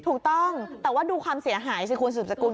ถูกต้องแต่ว่าดูความเสียหายสิคุณสุดสกุล